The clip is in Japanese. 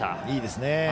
いいですね。